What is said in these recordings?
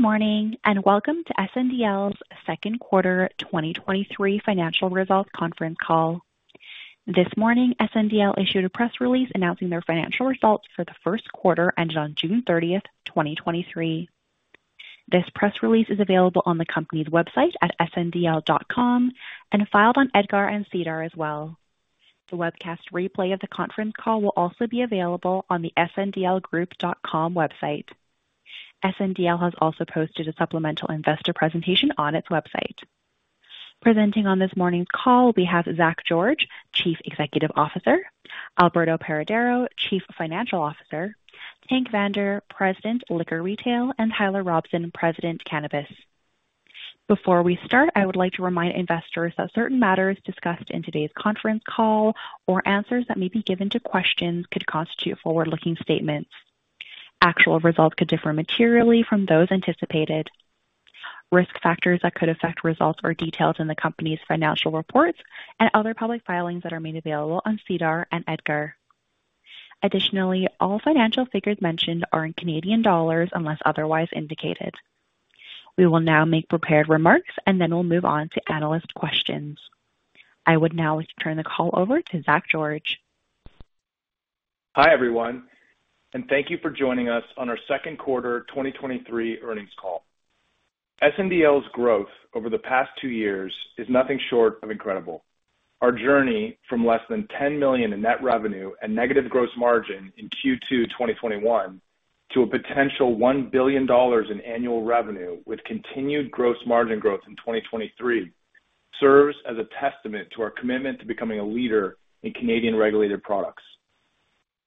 Good morning, and welcome to SNDL's Q2 2023 financial results conference call. This morning, SNDL issued a press release announcing their financial results for the Q1, ended on June 30, 2023. This press release is available on the company's website at sndl.com and filed on EDGAR and SEDAR as well. The webcast replay of the conference call will also be available on the sndlgroup.com website. SNDL has also posted a supplemental investor presentation on its website. Presenting on this morning's call, we have Zach George, Chief Executive Officer, Alberto Paredero-Quiros, Chief Financial Officer, Tank Vander, President, Liquor Retail, and Tyler Robson, President, Cannabis. Before we start, I would like to remind investors that certain matters discussed in today's conference call or answers that may be given to questions could constitute forward-looking statements. Actual results could differ materially from those anticipated. Risk factors that could affect results are detailed in the company's financial reports and other public filings that are made available on SEDAR and EDGAR. Additionally, all financial figures mentioned are in Canadian dollars, unless otherwise indicated. We will now make prepared remarks, and then we'll move on to analyst questions. I would now like to turn the call over to Zach George. Hi, everyone, and thank you for joining us on our Q2 2023 earnings call. SNDL's growth over the past two years is nothing short of incredible. Our journey from less than 10 million in net revenue and negative gross margin in Q2 2021 to a potential $1 billion in annual revenue, with continued gross margin growth in 2023, serves as a testament to our commitment to becoming a leader in Canadian regulated products.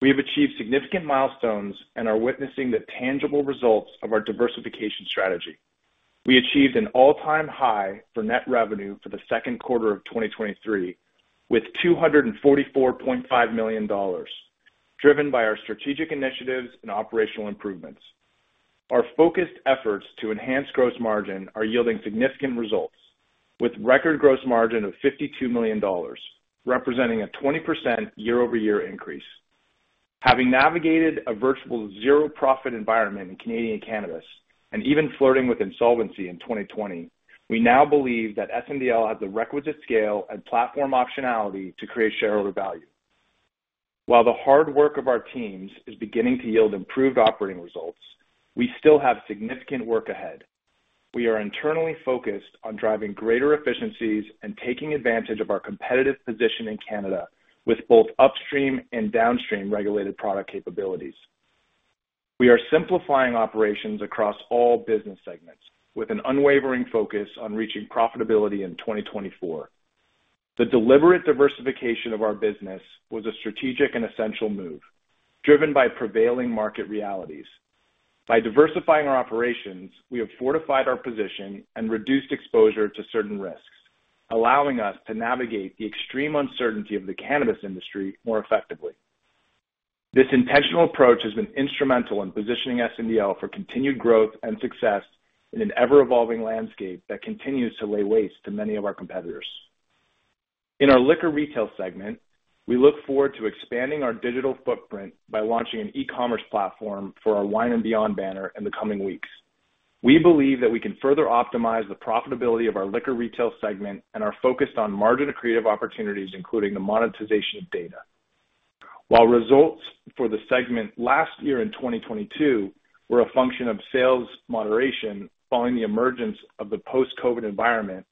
We have achieved significant milestones and are witnessing the tangible results of our diversification strategy. We achieved an all-time high for net revenue for the Q2 of 2023, with 244.5 million dollars, driven by our strategic initiatives and operational improvements. Our focused efforts to enhance gross margin are yielding significant results, with record gross margin of 52 million dollars, representing a 20% year-over-year increase. Having navigated a virtual zero-profit environment in Canadian cannabis and even flirting with insolvency in 2020, we now believe that SNDL has the requisite scale and platform optionality to create shareholder value. While the hard work of our teams is beginning to yield improved operating results, we still have significant work ahead. We are internally focused on driving greater efficiencies and taking advantage of our competitive position in Canada, with both upstream and downstream regulated product capabilities. We are simplifying operations across all business segments with an unwavering focus on reaching profitability in 2024. The deliberate diversification of our business was a strategic and essential move, driven by prevailing market realities. By diversifying our operations, we have fortified our position and reduced exposure to certain risks, allowing us to navigate the extreme uncertainty of the cannabis industry more effectively. This intentional approach has been instrumental in positioning SNDL for continued growth and success in an ever-evolving landscape that continues to lay waste to many of our competitors. In our liquor retail segment, we look forward to expanding our digital footprint by launching an e-commerce platform for our Wine and Beyond banner in the coming weeks. We believe that we can further optimize the profitability of our liquor retail segment and are focused on margin-accretive opportunities, including the monetization of data. While results for the segment last year in 2022 were a function of sales moderation following the emergence of the post-COVID environment,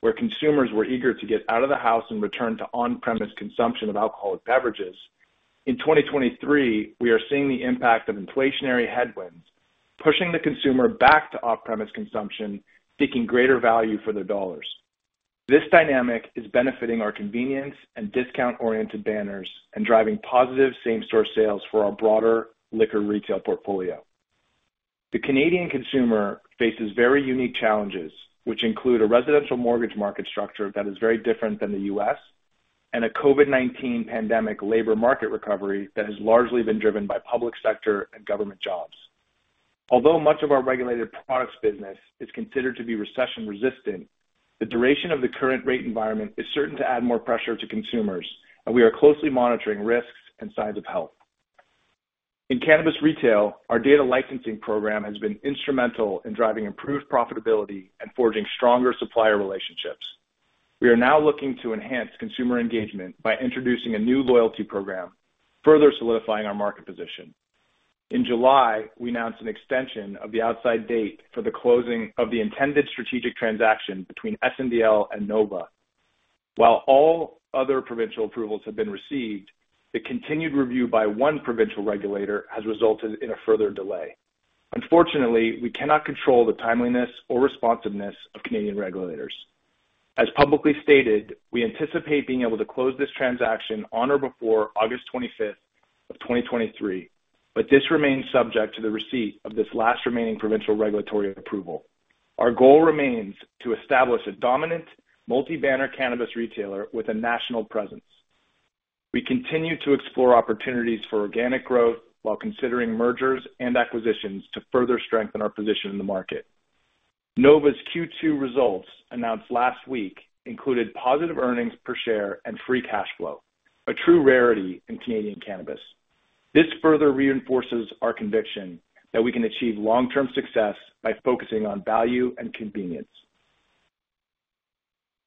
where consumers were eager to get out of the house and return to on-premise consumption of alcoholic beverages, in 2023, we are seeing the impact of inflationary headwinds, pushing the consumer back to off-premise consumption, seeking greater value for their dollars. This dynamic is benefiting our convenience and discount-oriented banners and driving positive same-store sales for our broader liquor retail portfolio. The Canadian consumer faces very unique challenges, which include a residential mortgage market structure that is very different than the U.S. and a COVID-19 pandemic labor market recovery that has largely been driven by public sector and government jobs. Although much of our regulated products business is considered to be recession-resistant, the duration of the current rate environment is certain to add more pressure to consumers, and we are closely monitoring risks and signs of health. In cannabis retail, our data licensing program has been instrumental in driving improved profitability and forging stronger supplier relationships. We are now looking to enhance consumer engagement by introducing a new loyalty program, further solidifying our market position. In July, we announced an extension of the outside date for the closing of the intended strategic transaction between SNDL and Nova. While all other provincial approvals have been received, the continued review by one provincial regulator has resulted in a further delay. Unfortunately, we cannot control the timeliness or responsiveness of Canadian regulators. As publicly stated, we anticipate being able to close this transaction on or before August 25, 2023, but this remains subject to the receipt of this last remaining provincial regulatory approval. Our goal remains to establish a dominant multi-banner cannabis retailer with a national presence. We continue to explore opportunities for organic growth while considering mergers and acquisitions to further strengthen our position in the market. Nova's Q2 results, announced last week, included positive earnings per share and free cash flow, a true rarity in Canadian cannabis. This further reinforces our conviction that we can achieve long-term success by focusing on value and convenience.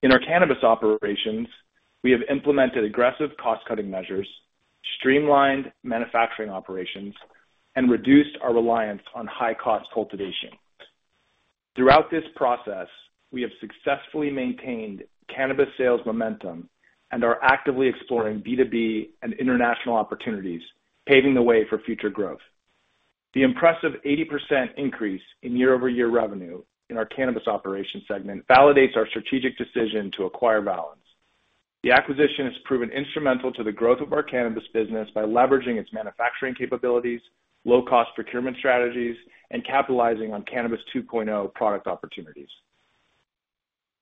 In our cannabis operations, we have implemented aggressive cost-cutting measures, streamlined manufacturing operations, and reduced our reliance on high-cost cultivation. Throughout this process, we have successfully maintained cannabis sales momentum and are actively exploring B2B and international opportunities, paving the way for future growth. The impressive 80% increase in year-over-year revenue in our cannabis operations segment validates our strategic decision to acquire Valens. The acquisition has proven instrumental to the growth of our cannabis business by leveraging its manufacturing capabilities, low-cost procurement strategies, and capitalizing on Cannabis 2.0 product opportunities.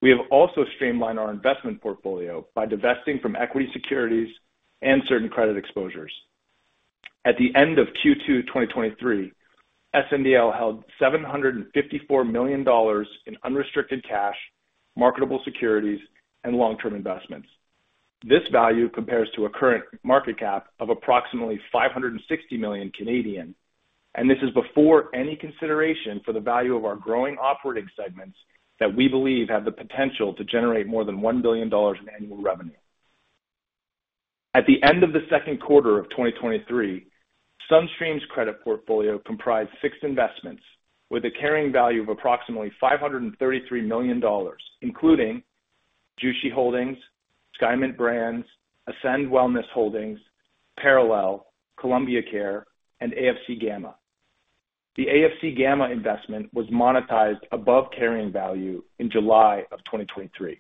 We have also streamlined our investment portfolio by divesting from equity securities and certain credit exposures. At the end of Q2 2023, SNDL held 754 million dollars in unrestricted cash, marketable securities, and long-term investments. This value compares to a current market cap of approximately 560 million, and this is before any consideration for the value of our growing operating segments that we believe have the potential to generate more than 1 billion dollars in annual revenue. At the end of the second quarter of 2023, SunStream's credit portfolio comprised six investments with a carrying value of approximately 533 million dollars, including Jushi Holdings, Skymint Brands, Ascend Wellness Holdings, Parallel, Columbia Care, and AFC Gamma. The AFC Gamma investment was monetized above carrying value in July 2023.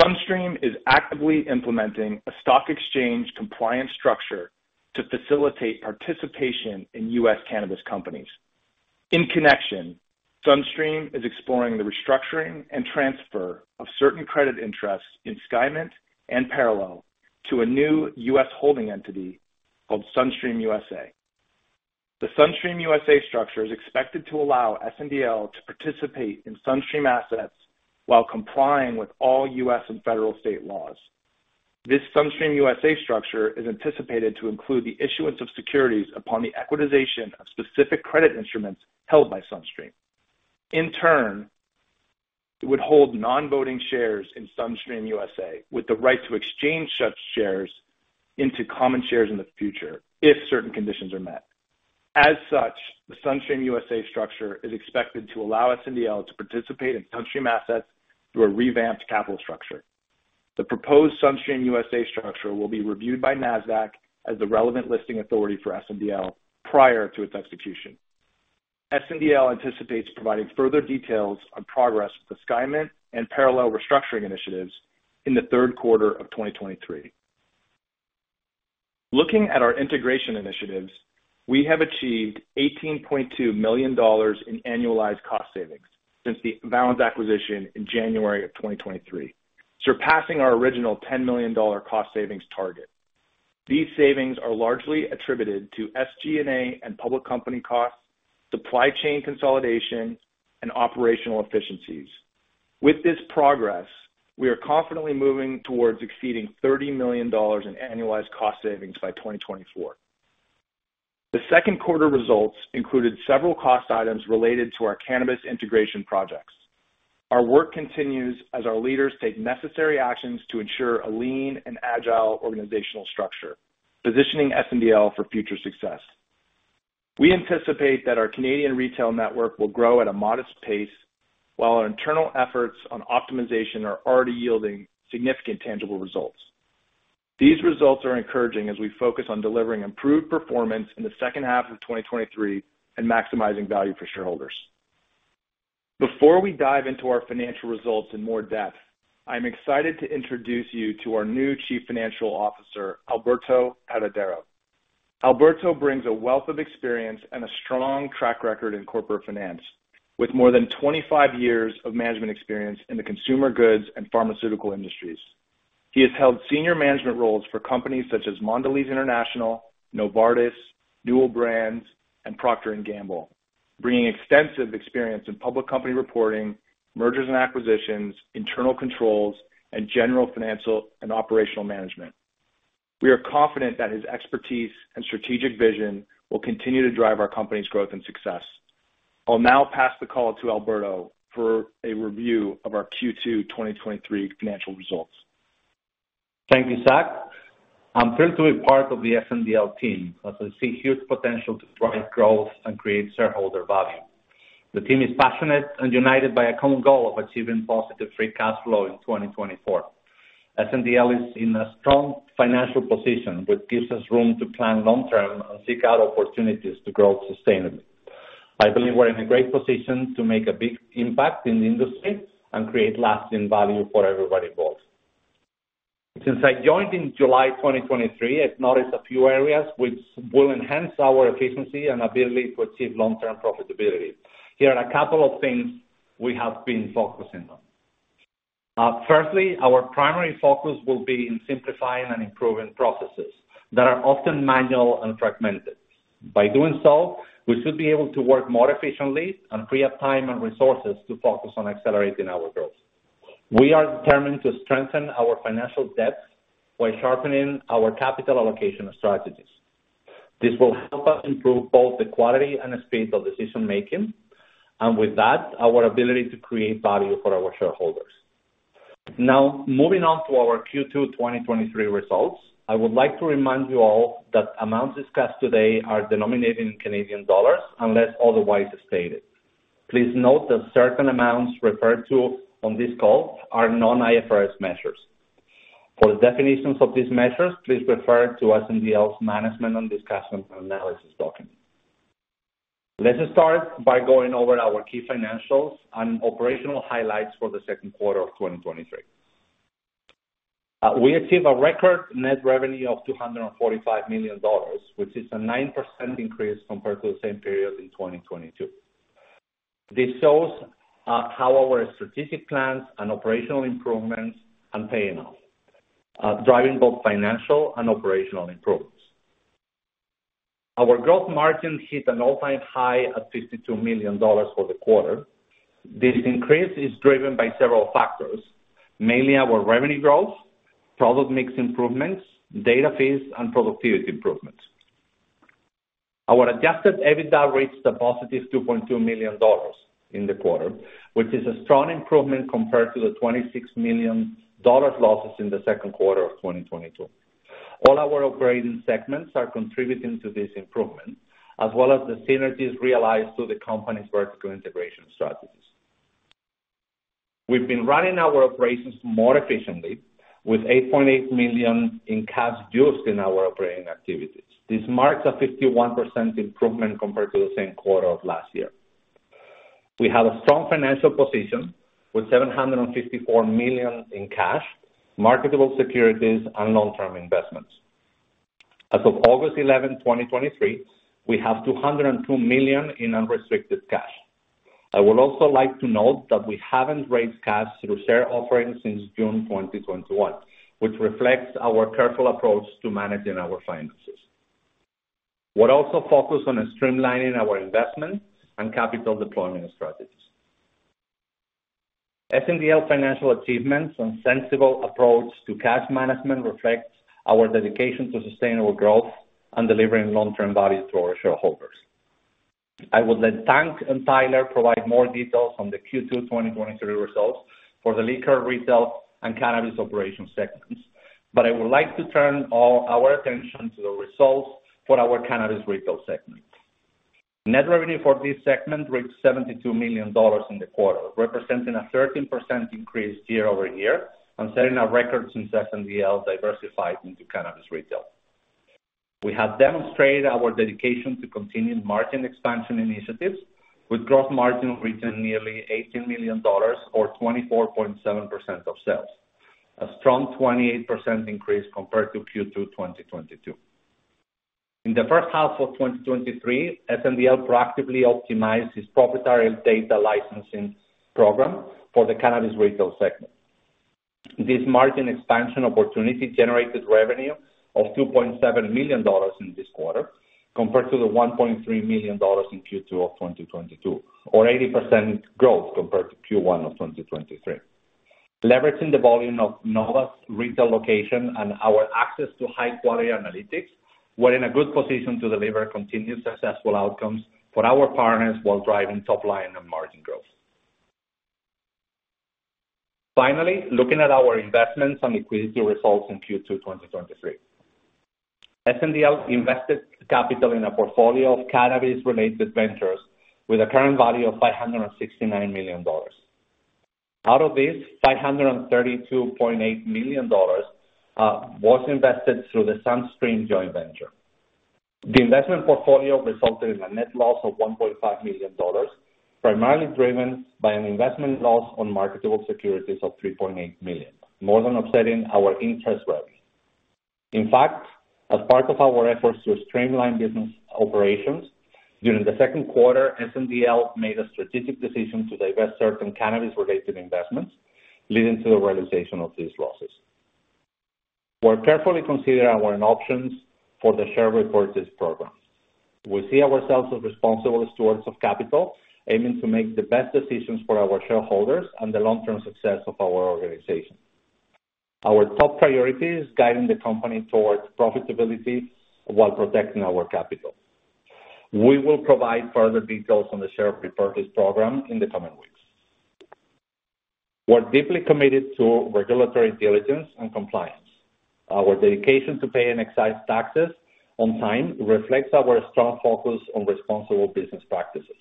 SunStream is actively implementing a stock exchange compliance structure to facilitate participation in U.S. cannabis companies. In connection, SunStream is exploring the restructuring and transfer of certain credit interests in Skymint and Parallel to a new U.S. holding entity called SunStream USA. The SunStream USA structure is expected to allow SNDL to participate in SunStream assets while complying with all US and federal state laws. This SunStream USA structure is anticipated to include the issuance of securities upon the equitization of specific credit instruments held by SunStream. In turn, it would hold non-voting shares in SunStream USA, with the right to exchange such shares into common shares in the future if certain conditions are met. As such, the SunStream USA structure is expected to allow SNDL to participate in SunStream assets through a revamped capital structure. The proposed SunStream USA structure will be reviewed by Nasdaq as the relevant listing authority for SNDL prior to its execution. SNDL anticipates providing further details on progress with the Skymint and Parallel restructuring initiatives in the Q3 of 2023. Looking at our integration initiatives, we have achieved 18.2 million dollars in annualized cost savings since the Valens acquisition in January 2023, surpassing our original 10 million dollar cost savings target. These savings are largely attributed to SG&A and public company costs, supply chain consolidation, and operational efficiencies. With this progress, we are confidently moving towards exceeding 30 million dollars in annualized cost savings by 2024. The Q2 results included several cost items related to our cannabis integration projects. Our work continues as our leaders take necessary actions to ensure a lean and agile organizational structure, positioning SNDL for future success. We anticipate that our Canadian retail network will grow at a modest pace, while our internal efforts on optimization are already yielding significant tangible results. These results are encouraging as we focus on delivering improved performance in the second half of 2023 and maximizing value for shareholders. Before we dive into our financial results in more depth, I'm excited to introduce you to our new Chief Financial Officer, Alberto Paredero-Quiros. Alberto brings a wealth of experience and a strong track record in corporate finance, with more than 25 years of management experience in the consumer goods and pharmaceutical industries. He has held senior management roles for companies such as Mondelez International, Novartis, Newell Brands, and Procter & Gamble, bringing extensive experience in public company reporting, mergers and acquisitions, internal controls, and general financial and operational management. We are confident that his expertise and strategic vision will continue to drive our company's growth and success. I'll now pass the call to Alberto for a review of our Q2 2023 financial results. Thank you, Zach. I'm thrilled to be part of the SNDL team, as I see huge potential to drive growth and create shareholder value. The team is passionate and united by a common goal of achieving positive free cash flow in 2024. SNDL is in a strong financial position, which gives us room to plan long term and seek out opportunities to grow sustainably. I believe we're in a great position to make a big impact in the industry and create lasting value for everybody involved. Since I joined in July 2023, I've noticed a few areas which will enhance our efficiency and ability to achieve long-term profitability. Here are a couple of things we have been focusing on. Firstly, our primary focus will be in simplifying and improving processes that are often manual and fragmented. By doing so, we should be able to work more efficiently and free up time and resources to focus on accelerating our growth. We are determined to strengthen our financial depth by sharpening our capital allocation strategies. This will help us improve both the quality and speed of decision-making, and with that, our ability to create value for our shareholders. Moving on to our Q2 2023 results, I would like to remind you all that amounts discussed today are denominated in CAD, unless otherwise stated. Please note that certain amounts referred to on this call are non-IFRS measures. For the definitions of these measures, please refer to SNDL's Management and Discussion and Analysis document. Let us start by going over our key financials and operational highlights for the Q2 of 2023. We achieved a record net revenue of 245 million dollars, which is a 9% increase compared to the same period in 2022. This shows how our strategic plans and operational improvements are paying off, driving both financial and operational improvements. Our growth margin hit an all-time high at 52 million dollars for the quarter. This increase is driven by several factors, mainly our revenue growth, product mix improvements, data fees, and productivity improvements. Our Adjusted EBITDA reached a positive 2.2 million dollars in the quarter, which is a strong improvement compared to the 26 million dollars losses in the Q2 of 2022. All our operating segments are contributing to this improvement, as well as the synergies realized through the company's vertical integration strategies. We've been running our operations more efficiently, with 8.8 million in cash used in our operating activities. This marks a 51% improvement compared to the same quarter of last year. We have a strong financial position, with 754 million in cash, marketable securities, and long-term investments. As of August 11, 2023, we have 202 million in unrestricted cash. I would also like to note that we haven't raised cash through share offerings since June 2021, which reflects our careful approach to managing our finances. We're also focused on streamlining our investment and capital deployment strategies. SNDL financial achievements and sensible approach to cash management reflects our dedication to sustainable growth and delivering long-term value to our shareholders. I will let Tank and Tyler provide more details on the Q2 2023 results for the liquor, retail, and cannabis operations segments. I would like to turn all our attention to the results for our cannabis retail segment. Net revenue for this segment reached 72 million dollars in the quarter, representing a 13% increase year-over-year and setting a record since SNDL diversified into cannabis retail. We have demonstrated our dedication to continued margin expansion initiatives, with gross margin reaching nearly 18 million dollars or 24.7% of sales, a strong 28% increase compared to Q2 2022. In the first half of 2023, SNDL proactively optimized its proprietary data licensing program for the cannabis retail segment. This margin expansion opportunity generated revenue of 2.7 million dollars in this quarter, compared to the 1.3 million dollars in Q2 2022, or 80% growth compared to Q1 2023. Leveraging the volume of Nova's retail location and our access to high-quality analytics, we're in a good position to deliver continued successful outcomes for our partners while driving top line and margin growth. Looking at our investments and liquidity results in Q2 2023. SNDL invested capital in a portfolio of cannabis-related ventures with a current value of 569 million dollars. Out of this, 532.8 million dollars was invested through the SunStream joint venture. The investment portfolio resulted in a net loss of 1.5 million dollars, primarily driven by an investment loss on marketable securities of 3.8 million, more than offsetting our interest revenue. In fact, as part of our efforts to streamline business operations, during the Q2, SNDL made a strategic decision to divest certain cannabis-related investments, leading to the realization of these losses. We're carefully considering our options for the share repurchase program. We see ourselves as responsible stewards of capital, aiming to make the best decisions for our shareholders and the long-term success of our organization. Our top priority is guiding the company towards profitability while protecting our capital. We will provide further details on the share repurchase program in the coming weeks. We're deeply committed to regulatory diligence and compliance. Our dedication to paying excise taxes on time reflects our strong focus on responsible business practices.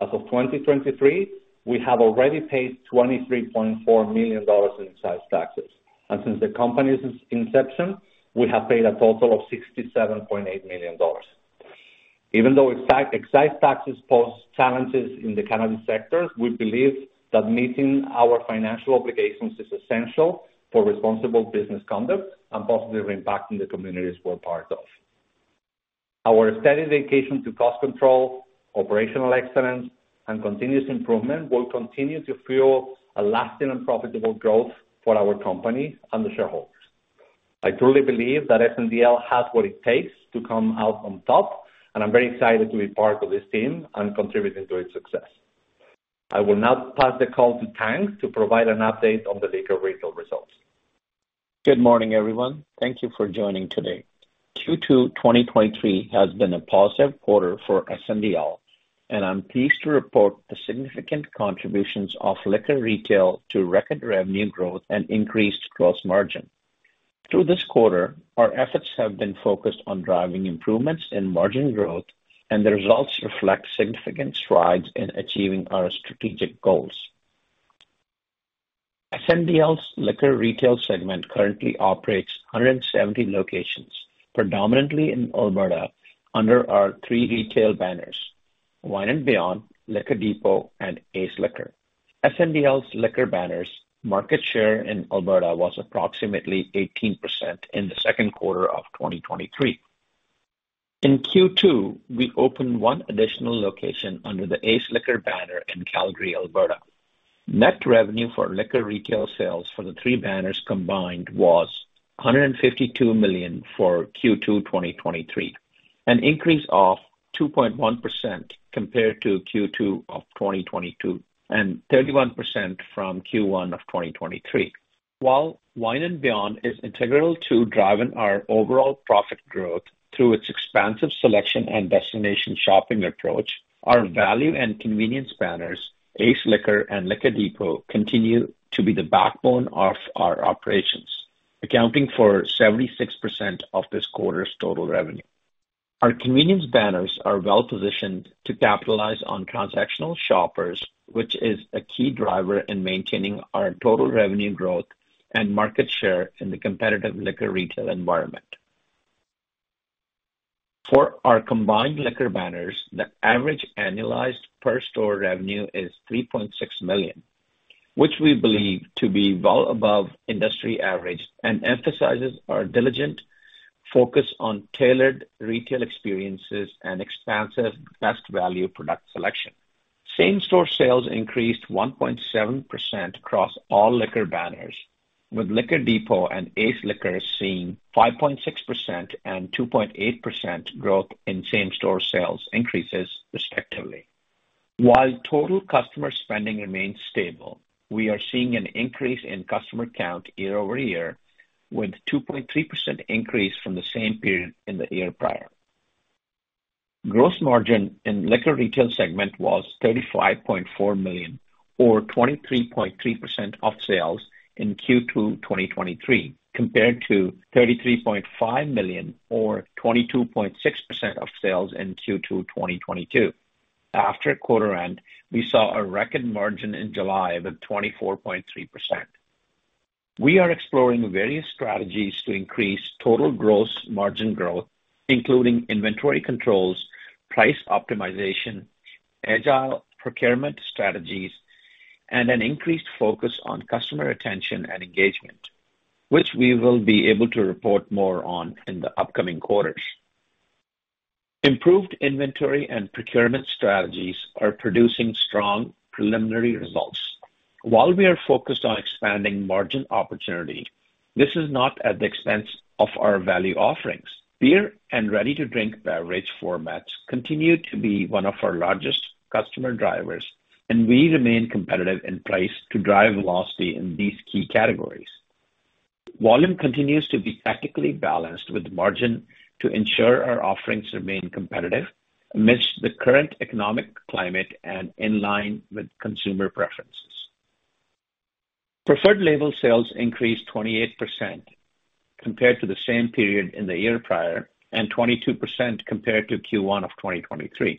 As of 2023, we have already paid 23.4 million dollars in excise taxes, and since the company's inception, we have paid a total of 67.8 million dollars. Even though excise taxes pose challenges in the cannabis sector, we believe that meeting our financial obligations is essential for responsible business conduct and positively impacting the communities we're part of. Our steady dedication to cost control, operational excellence, and continuous improvement will continue to fuel a lasting and profitable growth for our company and the shareholders. I truly believe that SNDL has what it takes to come out on top, and I'm very excited to be part of this team and contributing to its success. I will now pass the call to Tank to provide an update on the liquor retail results. Good morning, everyone. Thank you for joining today. Q2 2023 has been a positive quarter for SNDL, and I'm pleased to report the significant contributions of liquor retail to record revenue growth and increased gross margin. Through this quarter, our efforts have been focused on driving improvements in margin growth, and the results reflect significant strides in achieving our strategic goals. SNDL's liquor retail segment currently operates 170 locations, predominantly in Alberta, under our three retail banners: Wine and Beyond, Liquor Depot, and Ace Liquor. SNDL's liquor banners market share in Alberta was approximately 18% in the Q2 of 2023. In Q2, we opened one additional location under the Ace Liquor banner in Calgary, Alberta. Net revenue for liquor retail sales for the three banners combined was 152 million for Q2 2023, an increase of 2.1% compared to Q2 2022, and 31% from Q1 2023. While Wine and Beyond is integral to driving our overall profit growth through its expansive selection and destination shopping approach, our value and convenience banners, Ace Liquor and Liquor Depot, continue to be the backbone of our operations, accounting for 76% of this quarter's total revenue. Our convenience banners are well-positioned to capitalize on transactional shoppers, which is a key driver in maintaining our total revenue growth and market share in the competitive liquor retail environment. For our combined liquor banners, the average annualized per store revenue is 3.6 million, which we believe to be well above industry average and emphasizes our diligent focus on tailored retail experiences and expansive best value product selection. Same-store sales increased 1.7% across all liquor banners, with Liquor Depot and Ace Liquor seeing 5.6% and 2.8% growth in same-store sales increases, respectively. While total customer spending remains stable, we are seeing an increase in customer count year-over-year, with 2.3% increase from the same period in the year prior. Gross margin in liquor retail segment was 35.4 million, or 23.3% of sales in Q2 2023, compared to 33.5 million, or 22.6% of sales in Q2 2022. After quarter end, we saw a record margin in July of 24.3%. We are exploring various strategies to increase total gross margin growth, including inventory controls, price optimization, agile procurement strategies, and an increased focus on customer retention and engagement, which we will be able to report more on in the upcoming quarters. Improved inventory and procurement strategies are producing strong preliminary results. While we are focused on expanding margin opportunity, this is not at the expense of our value offerings. Beer and ready-to-drink beverage formats continue to be one of our largest customer drivers, and we remain competitive in price to drive velocity in these key categories. Volume continues to be tactically balanced with margin to ensure our offerings remain competitive amidst the current economic climate and in line with consumer preferences. Preferred label sales increased 28% compared to the same period in the year prior, and 22% compared to Q1 of 2023.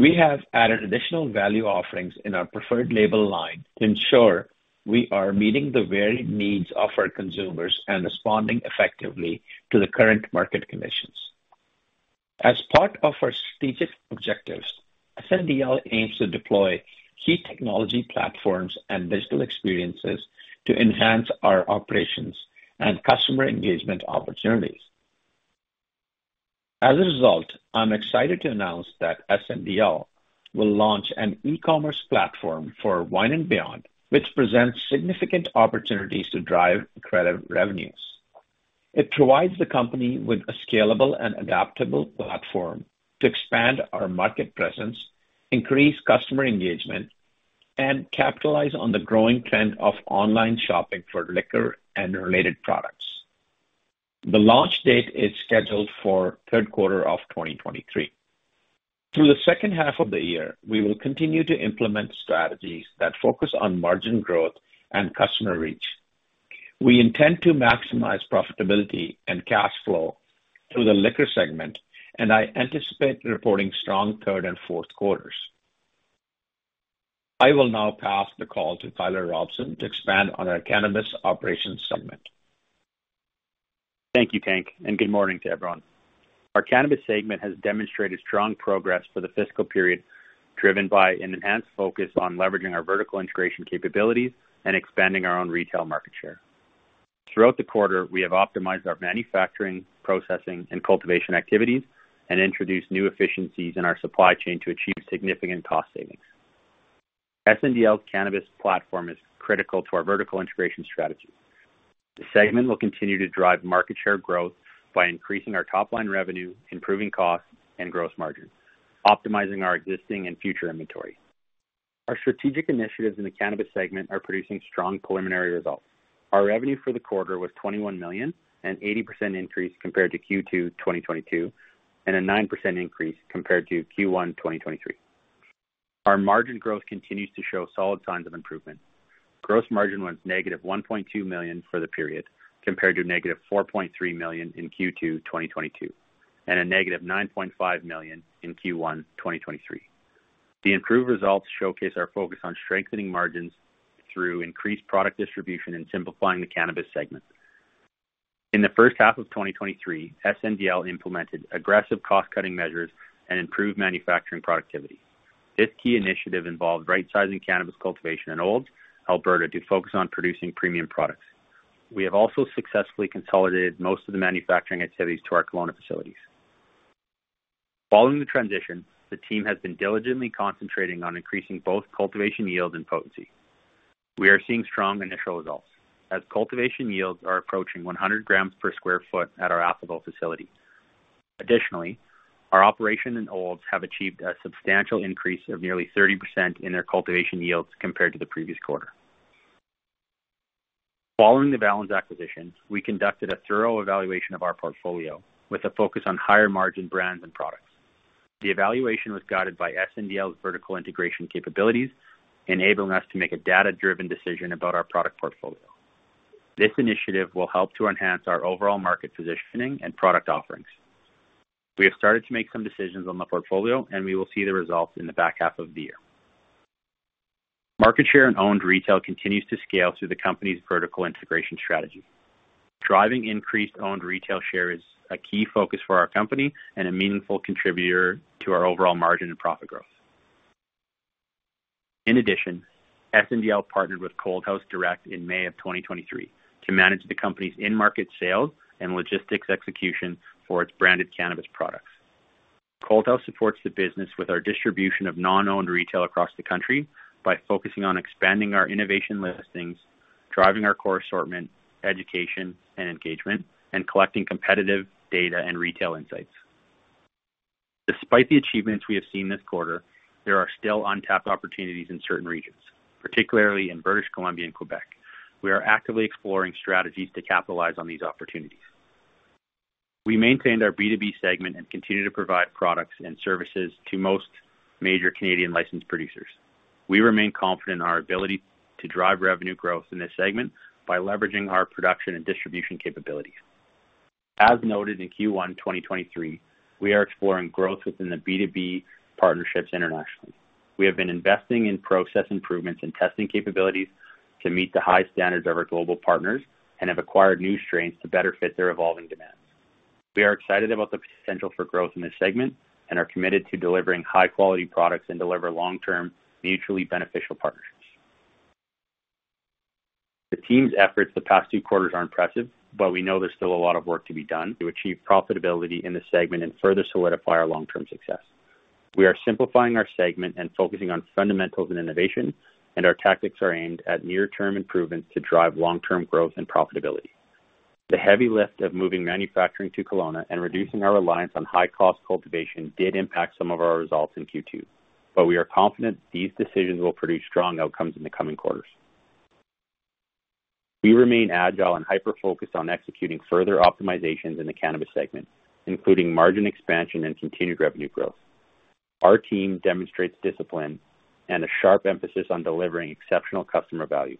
We have added additional value offerings in our preferred label line to ensure we are meeting the varied needs of our consumers and responding effectively to the current market conditions. As part of our strategic objectives, SNDL aims to deploy key technology platforms and digital experiences to enhance our operations and customer engagement opportunities. As a result, I'm excited to announce that SNDL will launch an e-commerce platform for Wine and Beyond, which presents significant opportunities to drive incredible revenues. It provides the company with a scalable and adaptable platform to expand our market presence, increase customer engagement, and capitalize on the growing trend of online shopping for liquor and related products. The launch date is scheduled for Q3 of 2023. Through the second half of the year, we will continue to implement strategies that focus on margin growth and customer reach. We intend to maximize profitability and cash flow through the liquor segment, and I anticipate reporting strong third and Q4. I will now pass the call to Tyler Robson to expand on our cannabis operations segment. Thank you, Tank. Good morning to everyone. Our cannabis segment has demonstrated strong progress for the fiscal period, driven by an enhanced focus on leveraging our vertical integration capabilities and expanding our own retail market share....Throughout the quarter, we have optimized our manufacturing, processing, and cultivation activities and introduced new efficiencies in our supply chain to achieve significant cost savings. SNDL's cannabis platform is critical to our vertical integration strategy. The segment will continue to drive market share growth by increasing our top-line revenue, improving costs and gross margins, optimizing our existing and future inventory. Our strategic initiatives in the cannabis segment are producing strong preliminary results. Our revenue for the quarter was 21 million, an 80% increase compared to Q2 2022, and a 9% increase compared to Q1 2023. Our margin growth continues to show solid signs of improvement. Gross margin was -1.2 million for the period, compared to -4.3 million in Q2 2022, and a -9.5 million in Q1 2023. The improved results showcase our focus on strengthening margins through increased product distribution and simplifying the cannabis segment. In the first half of 2023, SNDL implemented aggressive cost-cutting measures and improved manufacturing productivity. This key initiative involved right-sizing cannabis cultivation in Olds, Alberta, to focus on producing premium products. We have also successfully consolidated most of the manufacturing activities to our Kelowna facilities. Following the transition, the team has been diligently concentrating on increasing both cultivation yield and potency. We are seeing strong initial results, as cultivation yields are approaching 100 grams per square foot at our Athol facility. Additionally, our operation in Olds have achieved a substantial increase of nearly 30% in their cultivation yields compared to the previous quarter. Following the Valens acquisition, we conducted a thorough evaluation of our portfolio with a focus on higher-margin brands and products. The evaluation was guided by SNDL's vertical integration capabilities, enabling us to make a data-driven decision about our product portfolio. This initiative will help to enhance our overall market positioning and product offerings. We have started to make some decisions on the portfolio, and we will see the results in the back half of the year. Market share and owned retail continues to scale through the company's vertical integration strategy. Driving increased owned retail share is a key focus for our company and a meaningful contributor to our overall margin and profit growth. In addition, SNDL partnered with Cold House Direct in May 2023 to manage the company's in-market sales and logistics execution for its branded cannabis products. Cold House supports the business with our distribution of non-owned retail across the country by focusing on expanding our innovation listings, driving our core assortment, education and engagement, and collecting competitive data and retail insights. Despite the achievements we have seen this quarter, there are still untapped opportunities in certain regions, particularly in British Columbia and Quebec. We are actively exploring strategies to capitalize on these opportunities. We maintained our B2B segment and continue to provide products and services to most major Canadian licensed producers. We remain confident in our ability to drive revenue growth in this segment by leveraging our production and distribution capabilities. As noted in Q1 2023, we are exploring growth within the B2B partnerships internationally. We have been investing in process improvements and testing capabilities to meet the high standards of our global partners and have acquired new strains to better fit their evolving demands. We are excited about the potential for growth in this segment and are committed to delivering high-quality products and deliver long-term, mutually beneficial partnerships. The team's efforts the past two quarters are impressive, but we know there's still a lot of work to be done to achieve profitability in this segment and further solidify our long-term success. We are simplifying our segment and focusing on fundamentals and innovation, and our tactics are aimed at near-term improvements to drive long-term growth and profitability. The heavy lift of moving manufacturing to Kelowna and reducing our reliance on high-cost cultivation did impact some of our results in Q2, but we are confident these decisions will produce strong outcomes in the coming quarters. We remain agile and hyper-focused on executing further optimizations in the cannabis segment, including margin expansion and continued revenue growth. Our team demonstrates discipline and a sharp emphasis on delivering exceptional customer value.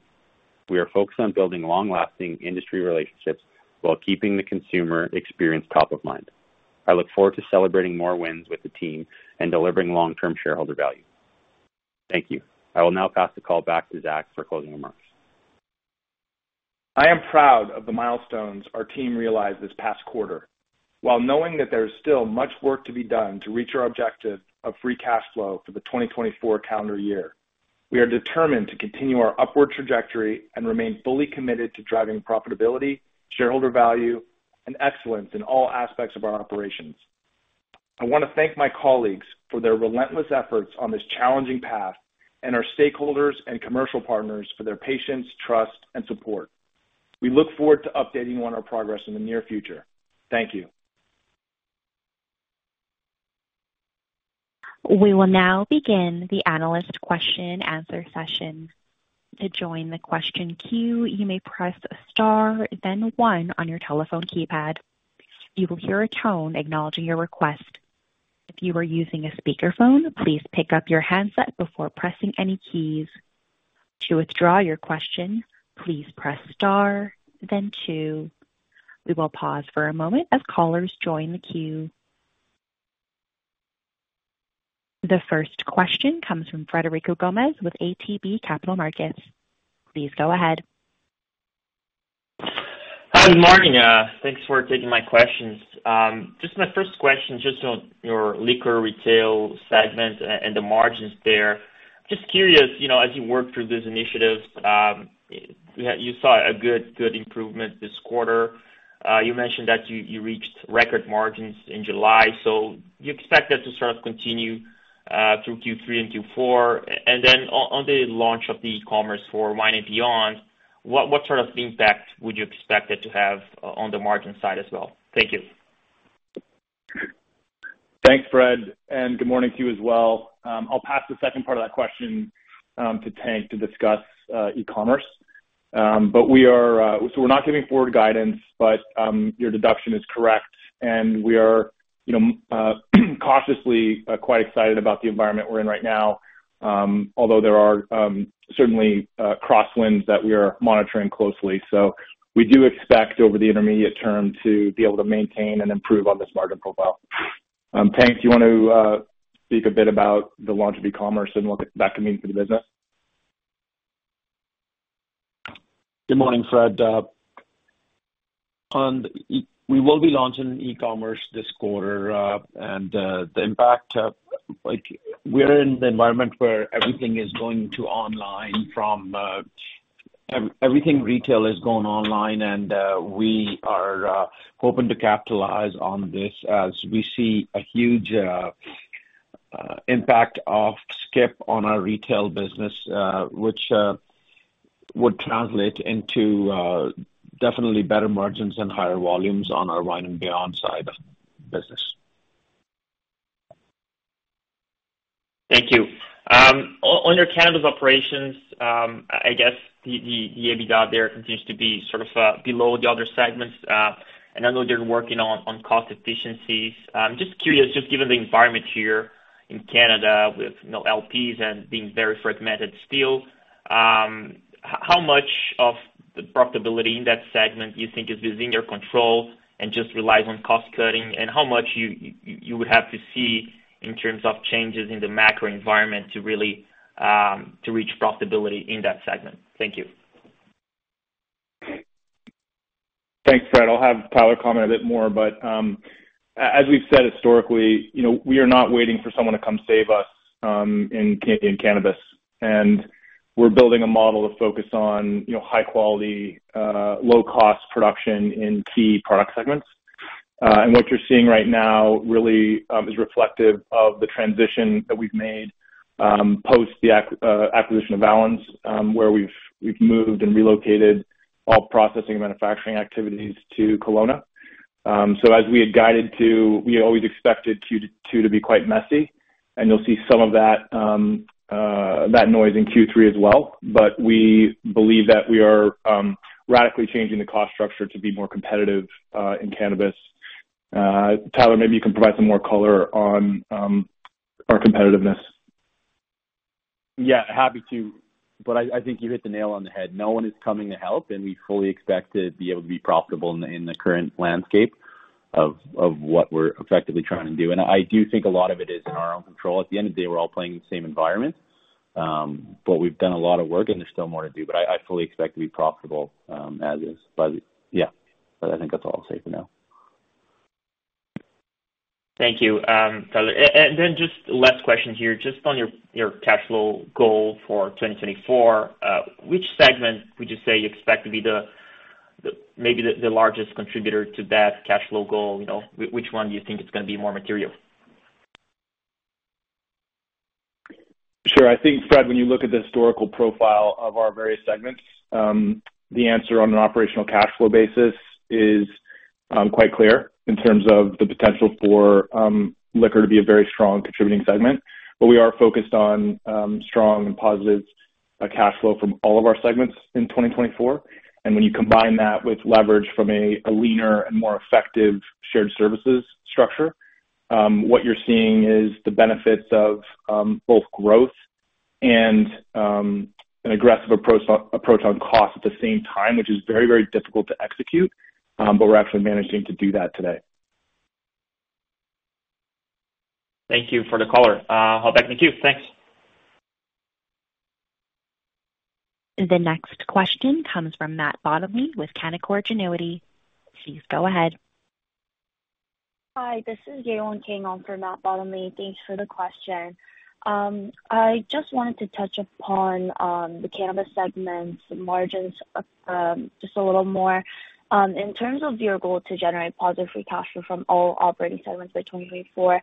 We are focused on building long-lasting industry relationships while keeping the consumer experience top of mind. I look forward to celebrating more wins with the team and delivering long-term shareholder value. Thank you. I will now pass the call back to Zach for closing remarks. I am proud of the milestones our team realized this past quarter, while knowing that there is still much work to be done to reach our objective of free cash flow for the 2024 calendar year. We are determined to continue our upward trajectory and remain fully committed to driving profitability, shareholder value, and excellence in all aspects of our operations. I want to thank my colleagues for their relentless efforts on this challenging path and our stakeholders and commercial partners for their patience, trust, and support. We look forward to updating you on our progress in the near future. Thank you. We will now begin the analyst question-and-answer session. To join the question queue, you may press star then one on your telephone keypad. You will hear a tone acknowledging your request. If you are using a speakerphone, please pick up your handset before pressing any keys. To withdraw your question, please press star then two. We will pause for a moment as callers join the queue. The first question comes from Frederico Gomes with ATB Capital Markets. Please go ahead. Hi, good morning. Thanks for taking my questions. Just my first question, just on your liquor retail segment and the margins there. Just curious, you know, as you work through these initiatives, you saw a good, good improvement this quarter. You mentioned that you reached record margins in July, do you expect that to sort of continue through Q3 and Q4? Then on the launch of the e-commerce for Wine and Beyond, what, what sort of impact would you expect it to have on the margin side as well? Thank you. Thanks, Fred, and good morning to you as well. I'll pass the second part of that question to Tank, to discuss e-commerce. We are, so we're not giving forward guidance, but your deduction is correct, and we are, you know, cautiously quite excited about the environment we're in right now, although there are certainly crosswinds that we are monitoring closely. We do expect, over the intermediate term, to be able to maintain and improve on this margin profile. Tank, do you want to speak a bit about the launch of e-commerce and what that, that could mean for the business? Good morning, Fred. We will be launching e-commerce this quarter, and the impact, like we're in the environment where everything is going to online from everything retail is going online, and we are hoping to capitalize on this as we see a huge impact of Skip on our retail business, which would translate into definitely better margins and higher volumes on our Wine and Beyond side of the business. Thank you. On your cannabis operations, I guess the EBITDA there continues to be sort of below the other segments. I know they're working on cost efficiencies. Just curious, just given the environment here in Canada with, you know, LPs and being very fragmented still, how much of the profitability in that segment do you think is within your control and just relies on cost cutting? How much you, you would have to see in terms of changes in the macro environment to really to reach profitability in that segment? Thank you. Thanks, Fred. I'll have Tyler comment a bit more, but, as we've said historically, you know, we are not waiting for someone to come save us, in cannabis, and we're building a model to focus on, you know, high quality, low-cost production in key product segments. What you're seeing right now, really, is reflective of the transition that we've made, post the acquisition of Valens, where we've, we've moved and relocated all processing and manufacturing activities to Kelowna. As we had guided to, we always expected Q2 to be quite messy, and you'll see some of that, that noise in Q3 as well. We believe that we are radically changing the cost structure to be more competitive, in cannabis. Tyler, maybe you can provide some more color on our competitiveness. Yeah, happy to. I, I think you hit the nail on the head. No one is coming to help, we fully expect to be able to be profitable in the, in the current landscape of, of what we're effectively trying to do. I do think a lot of it is in our own control. At the end of the day, we're all playing in the same environment, but we've done a lot of work and there's still more to do. I, I fully expect to be profitable, as is. Yeah, but I think that's all I'll say for now. Thank you, Tyler. Just last question here, just on your, your cash flow goal for 2024, which segment would you say you expect to be the, the, maybe the, the largest contributor to that cash flow goal? You know, which one do you think is gonna be more material? Sure. I think, Fred, when you look at the historical profile of our various segments, the answer on an operational cash flow basis is quite clear in terms of the potential for liquor to be a very strong contributing segment. We are focused on strong and positive cash flow from all of our segments in 2024. When you combine that with leverage from a leaner and more effective shared services structure, what you're seeing is the benefits of both growth and an aggressive approach, approach on cost at the same time, which is very, very difficult to execute, but we're actually managing to do that today. Thank you for the color. I'll back to you. Thanks. The next question comes from Matt Bottomley with Canaccord Genuity. Please go ahead. Hi, this is Yvonne Kang on for Matt Bottomley. Thanks for the question. I just wanted to touch upon the cannabis segments margins just a little more. In terms of your goal to generate positive free cash flow from all operating segments by 2024.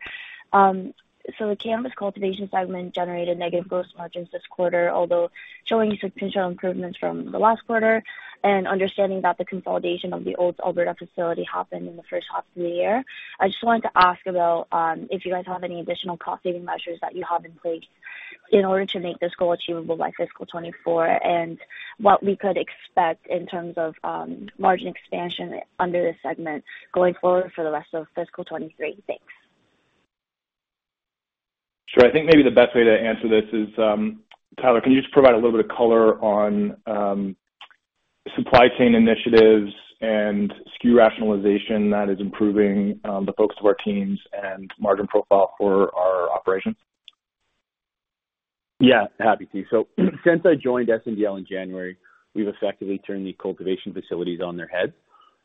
The cannabis cultivation segment generated negative gross margins this quarter, although showing substantial improvements from the last quarter and understanding that the consolidation of the Olds, Alberta facility happened in the first half of the year. I just wanted to ask about if you guys have any additional cost saving measures that you have in place in order to make this goal achievable by fiscal 2024, and what we could expect in terms of margin expansion under this segment going forward for the rest of fiscal 2023. Thanks. Sure. I think maybe the best way to answer this is, Tyler, can you just provide a little bit of color on supply chain initiatives and SKU rationalization that is improving the focus of our teams and margin profile for our operations? Yeah, happy to. Since I joined SNDL in January, we've effectively turned the cultivation facilities on their head....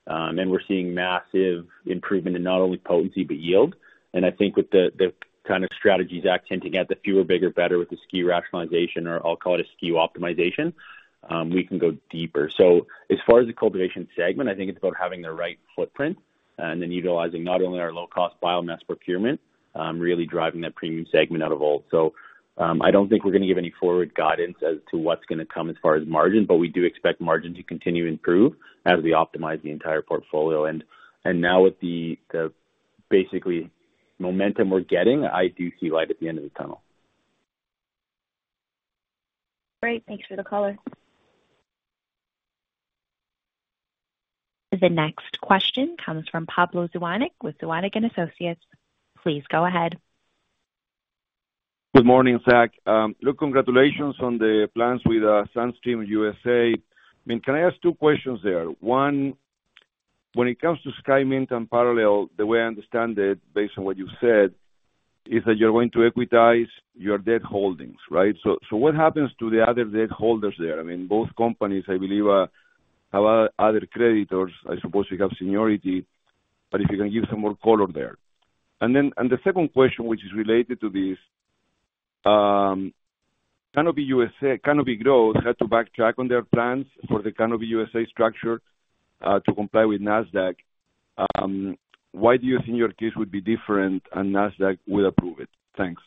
we're seeing massive improvement in not only potency, but yield. I think with the, the kind of strategies acting to get the fewer, bigger, better with the SKU rationalization, or I'll call it a SKU optimization, we can go deeper. As far as the cultivation segment, I think it's about having the right footprint, and then utilizing not only our low-cost biomass procurement, really driving that premium segment out of Olds. I don't think we're gonna give any forward guidance as to what's gonna come as far as margin, but we do expect margin to continue to improve as we optimize the entire portfolio. And now with the, the basically, momentum we're getting, I do see light at the end of the tunnel. Great, thanks for the color. The next question comes from Pablo Zuanic, with Zuanic and Associates. Please go ahead. Good morning, Zach. Look, congratulations on the plans with SunStream USA. I mean, can I ask 2 questions there? One, when it comes to Skymint and Parallel, the way I understand it, based on what you said, is that you're going to equitize your debt holdings, right? What happens to the other debt holders there? I mean, both companies, I believe, have other creditors. I suppose you have seniority, if you can give some more color there. The second question, which is related to this, Canopy USA... Canopy Growth had to backtrack on their plans for the Canopy USA structure to comply with Nasdaq. Why do you think your case would be different, Nasdaq will approve it? Thanks.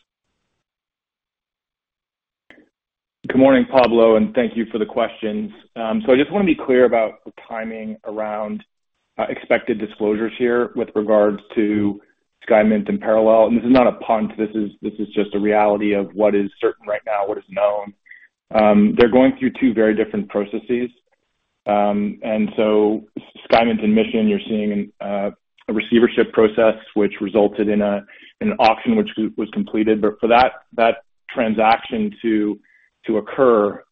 Good morning, Pablo, thank you for the questions. I just want to be clear about the timing around expected disclosures here with regards to Skymint and Parallel, this is not a punt, this is, this is just a reality of what is certain right now, what is known. They're going through two very different processes. Skymint and Mission, you're seeing a receivership process, which resulted in an auction, which was completed. For that, that transaction to occur,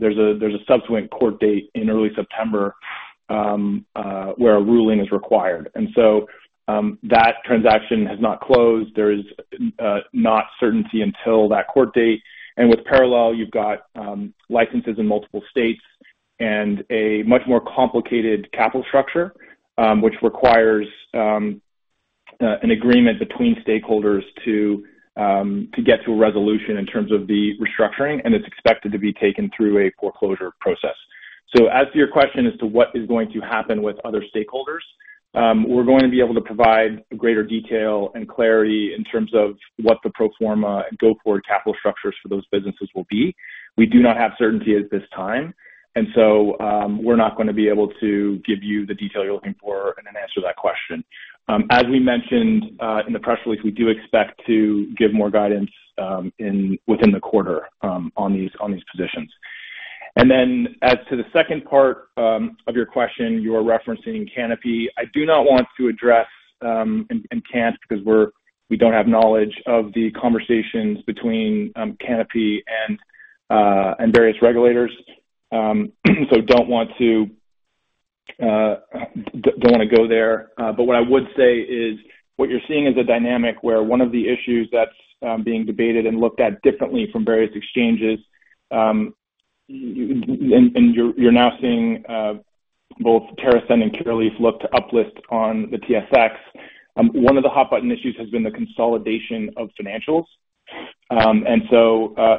there's a subsequent court date in early September, where a ruling is required. That transaction has not closed. There is not certainty until that court date. With Parallel, you've got, licenses in multiple states and a much more complicated capital structure, which requires, an agreement between stakeholders to, to get to a resolution in terms of the restructuring, and it's expected to be taken through a foreclosure process. As to your question as to what is going to happen with other stakeholders, we're going to be able to provide greater detail and clarity in terms of what the pro forma and go-forward capital structures for those businesses will be. We do not have certainty at this time, and so, we're not going to be able to give you the detail you're looking for, and then answer that question. As we mentioned, in the press release, we do expect to give more guidance, in, within the quarter, on these, on these positions. As to the second part of your question, you are referencing Canopy. I do not want to address, and, and can't, because we don't have knowledge of the conversations between Canopy and various regulators. Don't want to don't want to go there. What I would say is, what you're seeing is a dynamic where one of the issues that's being debated and looked at differently from various exchanges, and you're now seeing both TerrAscend and Curaleaf look to uplist on the TSX. One of the hot button issues has been the consolidation of financials.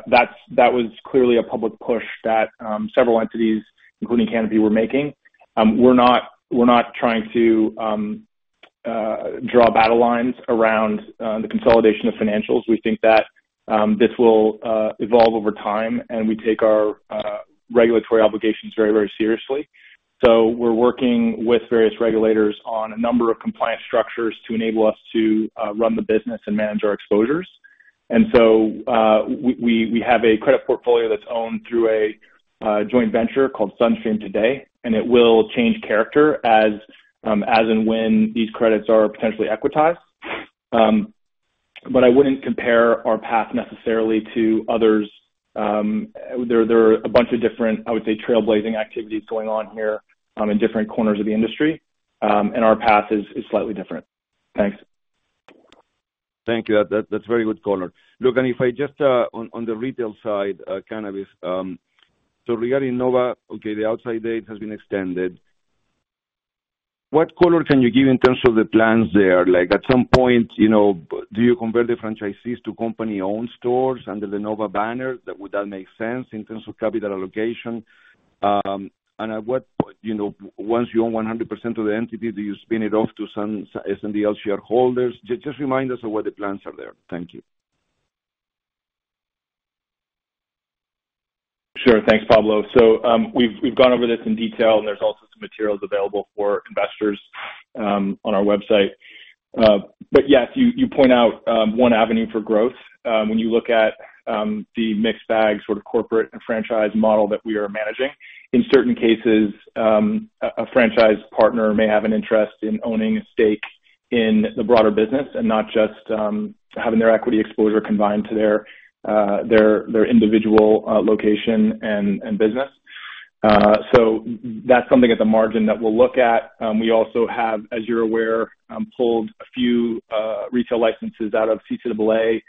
That's, that was clearly a public push that several entities, including Canopy, were making. We're not, we're not trying to draw battle lines around the consolidation of financials. We think that this will evolve over time, and we take our regulatory obligations very, very seriously. We're working with various regulators on a number of compliance structures to enable us to run the business and manage our exposures. We, we have a credit portfolio that's owned through a joint venture called SunStream today, and it will change character as and when these credits are potentially equitized. I wouldn't compare our path necessarily to others. There, there are a bunch of different, I would say, trailblazing activities going on here, in different corners of the industry, and our path is, is slightly different. Thanks. Thank you. That's very good color. If I just on the retail side, cannabis, so regarding Nova, okay, the outside date has been extended. What color can you give in terms of the plans there? Like, at some point, you know, do you convert the franchisees to company-owned stores under the Nova banner? Would that make sense in terms of capital allocation? At what point, you know, once you own 100% of the entity, do you spin it off to some SNDL shareholders? Just remind us of what the plans are there. Thank you. Sure. Thanks, Pablo. We've, we've gone over this in detail, and there's also some materials available for investors, on our website. Yes, you, you point out, one avenue for growth. When you look at, the mixed bag, sort of corporate and franchise model that we are managing, in certain cases, a, a franchise partner may have an interest in owning a stake in the broader business and not just, having their equity exposure combined to their, their, their individual, location and, and business. That's something at the margin that we'll look at. We also have, as you're aware, pulled a few, retail licenses out of CCAA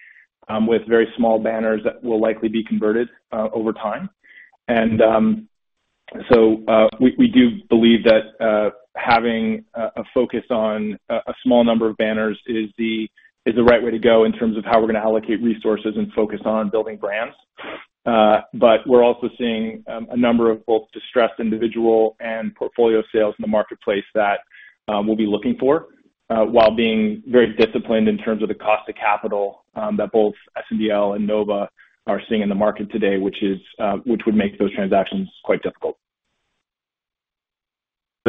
with very small banners that will likely be converted, over time. We, we do believe that having a focus on a small number of banners is the right way to go in terms of how we're gonna allocate resources and focus on building brands. We're also seeing a number of both distressed individual and portfolio sales in the marketplace that we'll be looking for while being very disciplined in terms of the cost of capital that both SNDL and Nova Cannabis are seeing in the market today, which is which would make those transactions quite difficult.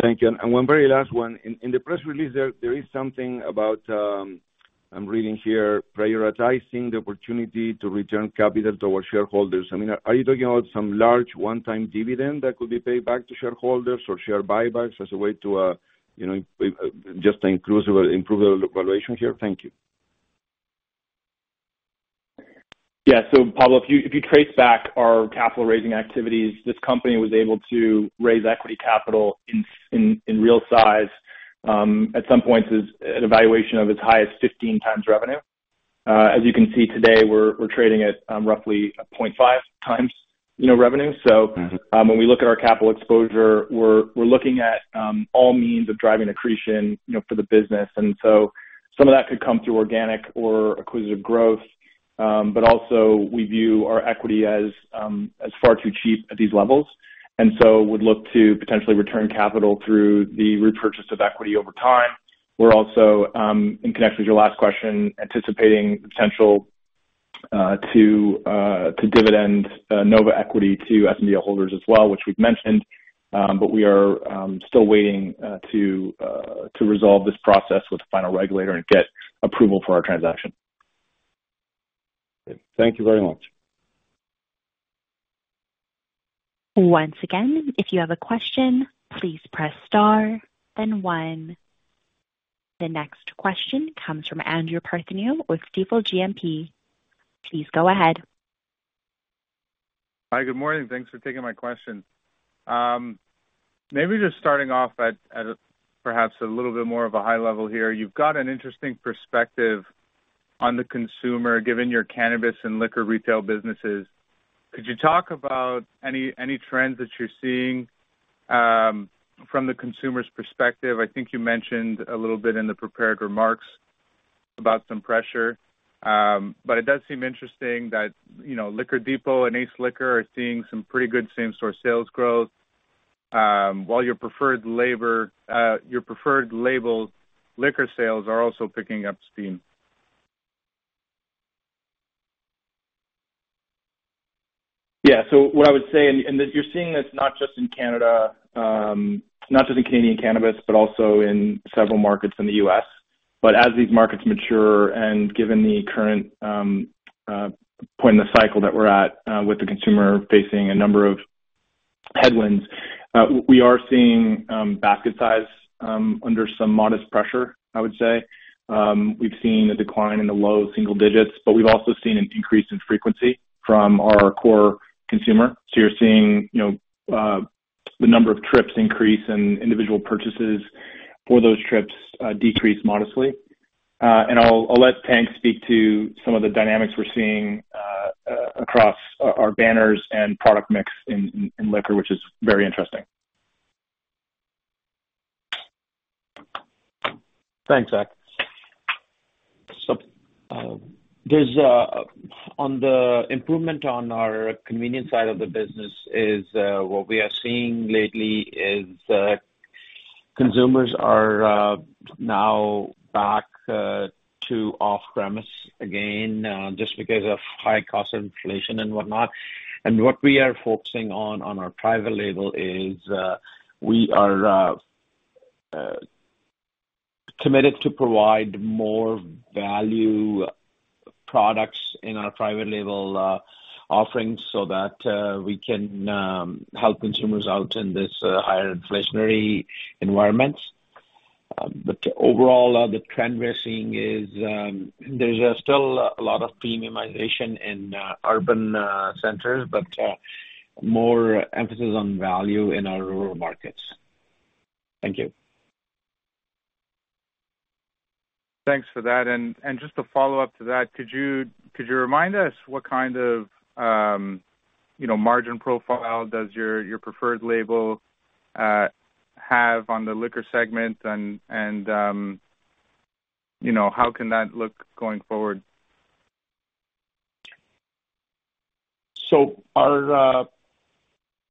Thank you. One very last one. In, in the press release there, there is something about, I'm reading here, prioritizing the opportunity to return capital toward shareholders, I mean, are you talking about some large one-time dividend that could be paid back to shareholders or share buybacks as a way to, you know, just improve our valuation here? Thank you. Yeah. Pablo, if you, if you trace back our capital-raising activities, this company was able to raise equity capital in, in, in real size, at some points, as at a valuation of as high as 15x revenue. As you can see today, we're, we're trading at, roughly 0.5x, you know, revenue. Mm-hmm. When we look at our capital exposure, we're, we're looking at all means of driving accretion, you know, for the business. Some of that could come through organic or acquisitive growth. Also we view our equity as far too cheap at these levels, and so would look to potentially return capital through the repurchase of equity over time. We're also, in connection with your last question, anticipating the potential to dividend Nova Cannabis equity to SNDL holders as well, which we've mentioned. We are still waiting to resolve this process with the final regulator and get approval for our transaction. Thank you very much. Once again, if you have a question, please press star then 1. The next question comes from Andrew Partheniou with Stifel GMP. Please go ahead. Hi. Good morning. Thanks for taking my question. Maybe just starting off at, at a, perhaps a little bit more of a high level here. You've got an interesting perspective on the consumer, given your cannabis and liquor retail businesses. Could you talk about any, any trends that you're seeing from the consumer's perspective? I think you mentioned a little bit in the prepared remarks about some pressure. It does seem interesting that, you know, Liquor Depot and Ace Liquor are seeing some pretty good same-store sales growth, while your preferred label, your preferred label liquor sales are also picking up steam. Yeah. What I would say, and you're seeing this not just in Canada, not just in Canadian cannabis, but also in several markets in the U.S. As these markets mature and given the current point in the cycle that we're at, we are seeing basket size under some modest pressure, I would say. We've seen a decline in the low single digits, but we've also seen an increase in frequency from our core consumer. You're seeing, you know, the number of trips increase and individual purchases for those trips decrease modestly. I'll let Tank speak to some of the dynamics we're seeing across our banners and product mix in liquor, which is very interesting. Thanks, Zach. There's on the improvement on our convenience side of the business is what we are seeing lately is consumers are now back to off-premise again just because of high cost of inflation and whatnot. What we are focusing on, on our private label is we are committed to provide more value products in our private label offerings so that we can help consumers out in this higher inflationary environment. Overall, the trend we're seeing is there's still a lot of premiumization in urban centers, but more emphasis on value in our rural markets. Thank you. Thanks for that. And just to follow up to that, could you, could you remind us what kind of, you know, margin profile does your, your preferred label, have on the liquor segment? And, you know, how can that look going forward? Our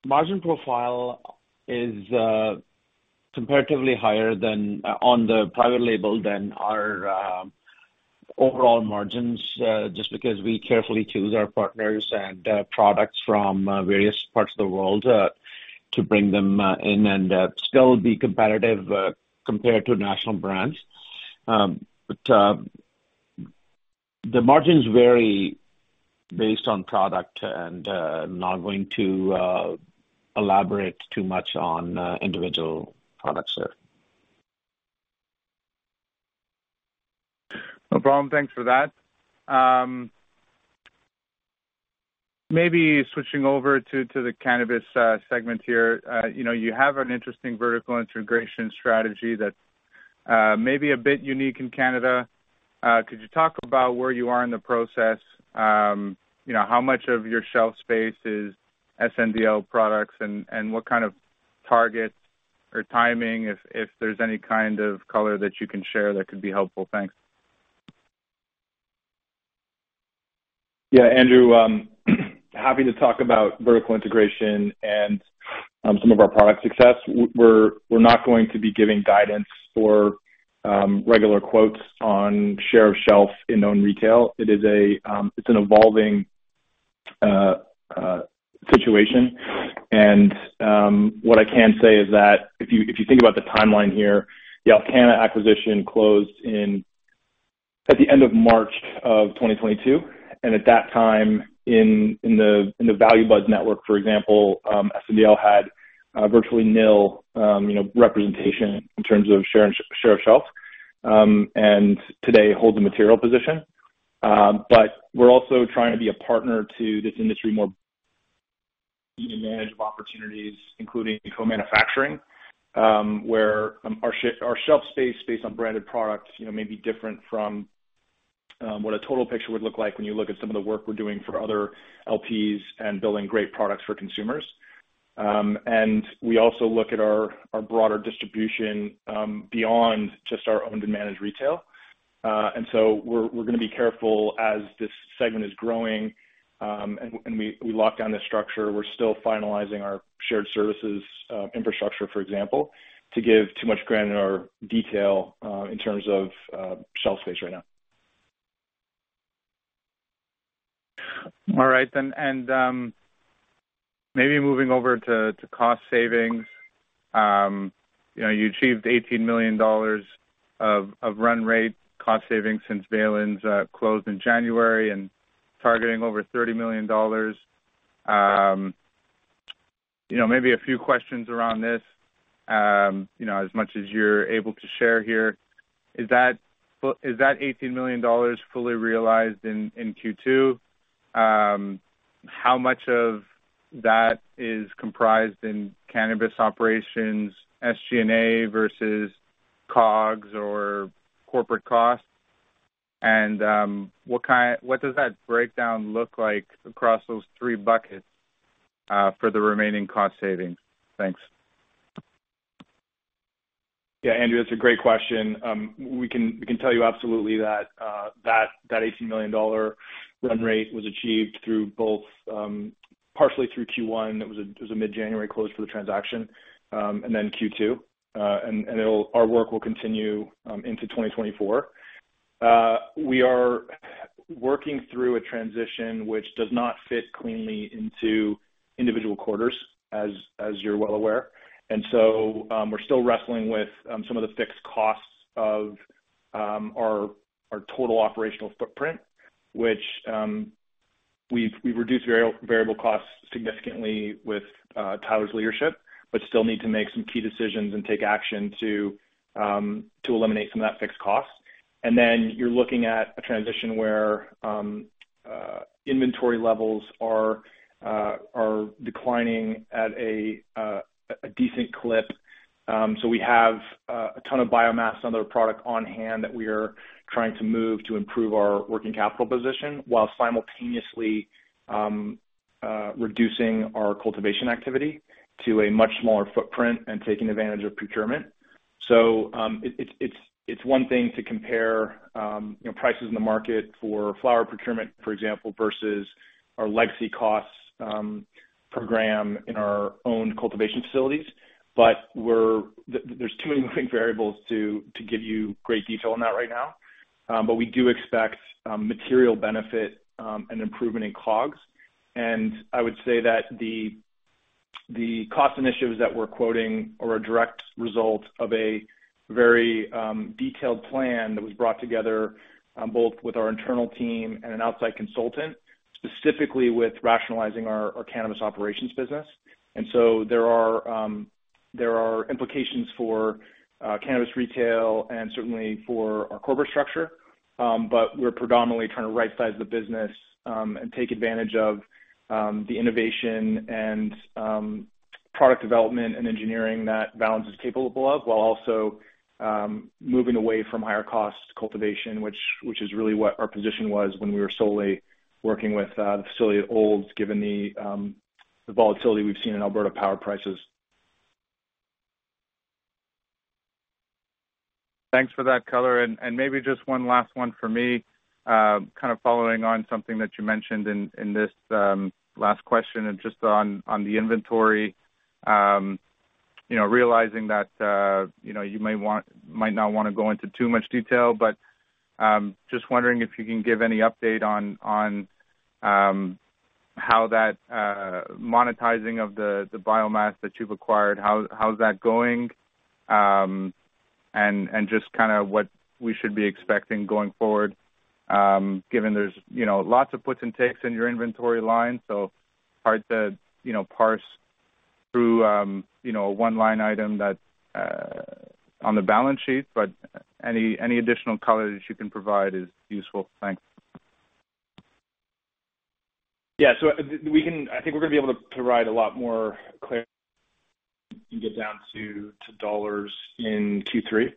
margin profile is comparatively higher than on the private label than our overall margins just because we carefully choose our partners and products from various parts of the world to bring them in and still be competitive compared to national brands. The margins vary based on product, and I'm not going to elaborate too much on individual products there. No problem. Thanks for that. Maybe switching over to, to the cannabis segment here. You know, you have an interesting vertical integration strategy that's maybe a bit unique in Canada. Could you talk about where you are in the process? You know, how much of your shelf space is SNDL products and, and what kind of targets or timing, if, if there's any kind of color that you can share, that could be helpful? Thanks. Yeah, Andrew, happy to talk about vertical integration and some of our product success. We're not going to be giving guidance or regular quotes on share of shelf in known retail. It is a, it's an evolving situation. What I can say is that if you, if you think about the timeline here, the Alcanna acquisition closed in, at the end of March of 2022, and at that time, in, in the, in the Value Buds network, for example, SNDL had virtually nil, you know, representation in terms of share and share of shelf, and today, holds a material position. We're also trying to be a partner to this industry more and manage of opportunities, including co-manufacturing, where our shelf space, based on branded products, you know, may be different from what a total picture would look like when you look at some of the work we're doing for other LPs and building great products for consumers. We also look at our, our broader distribution, beyond just our owned and managed retail. We're, we're gonna be careful as this segment is growing, and, and we, we lock down this structure. We're still finalizing our shared services, infrastructure, for example, to give too much granted or detail, in terms of, shelf space right now. All right then, maybe moving over to, to cost savings. You know, you achieved 18 million dollars of, of run rate cost savings since Valens closed in January and targeting over 30 million dollars. You know, maybe a few questions around this. You know, as much as you're able to share here, is that is that 18 million dollars fully realized in, in Q2? How much of that is comprised in cannabis operations, SG&A, versus COGS or corporate costs? What does that breakdown look like across those three buckets for the remaining cost savings? Thanks. Yeah, Andrew, that's a great question. We can tell you absolutely that 18 million dollar run rate was achieved through both, partially through Q1. It was a mid-January close for the transaction, and then Q2. It will our work will continue into 2024. We are working through a transition which does not fit cleanly into individual quarters, as you're well aware, and so, we're still wrestling with some of the fixed costs of our total operational footprint, which we've reduced variable costs significantly with Tyler's leadership, but still need to make some key decisions and take action to eliminate some of that fixed cost. Then you're looking at a transition where inventory levels are declining at a decent clip. We have a ton of biomass on product on hand that we are trying to move to improve our working capital position, while simultaneously reducing our cultivation activity to a much smaller footprint and taking advantage of procurement. It, it's, it's, it's one thing to compare, you know, prices in the market for flower procurement, for example, versus our legacy costs per gram in our own cultivation facilities. There's too many moving variables to give you great detail on that right now. We do expect material benefit and improvement in COGS. I would say that the, the cost initiatives that we're quoting are a direct result of a very detailed plan that was brought together both with our internal team and an outside consultant, specifically with rationalizing our, our cannabis operations business. So there are implications for cannabis retail and certainly for our corporate structure. But we're predominantly trying to rightsize the business and take advantage of the innovation and product development and engineering that Valens is capable of, while also moving away from higher-cost cultivation, which, which is really what our position was when we were solely working with the facility at Olds, given the volatility we've seen in Alberta power prices. Thanks for that color. Maybe just one last one for me. Kind of following on something that you mentioned in this last question just on the inventory. You know, realizing that you might not wanna go into too much detail, but just wondering if you can give any update on how that monetizing of the biomass that you've acquired, how's that going? Just kind of what we should be expecting going forward, given there's, you know, lots of puts and takes in your inventory line, so hard to, you know, parse through, you know, a one-line item that on the balance sheet, but any additional color that you can provide is useful. Thanks. Yeah. I think we're gonna be able to provide a lot more clarity and get down to, to dollars in Q3.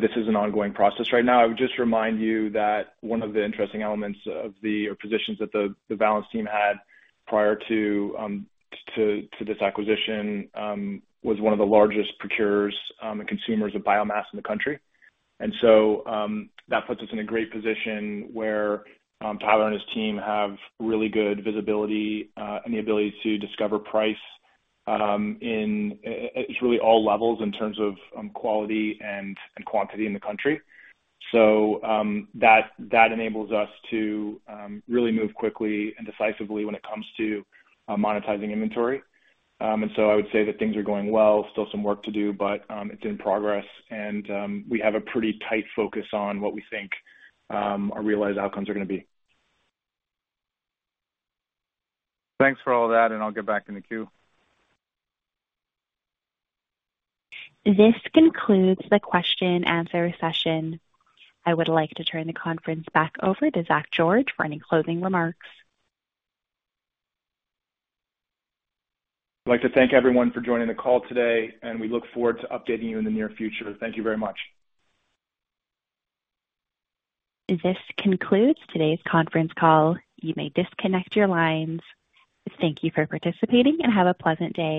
This is an ongoing process right now. I would just remind you that one of the interesting elements of the, or positions that the, the Valens team had prior to, to this acquisition, was one of the largest procurers, and consumers of biomass in the country. That puts us in a great position where Tyler and his team have really good visibility, and the ability to discover price, in just really all levels in terms of quality and quantity in the country. That, that enables us to really move quickly and decisively when it comes to monetizing inventory. I would say that things are going well. Still some work to do, but it's in progress, and we have a pretty tight focus on what we think our realized outcomes are gonna be. Thanks for all that, and I'll get back in the queue. This concludes the question-answer session. I would like to turn the conference back over to Zach George for any closing remarks. I'd like to thank everyone for joining the call today, and we look forward to updating you in the near future. Thank you very much. This concludes today's conference call. You may disconnect your lines. Thank you for participating, and have a pleasant day.